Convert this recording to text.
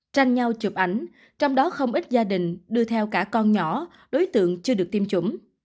tranh nhau chụp ảnh trong đó không ít gia đình đưa theo cả con nhỏ đối tượng chưa được tiêm chủng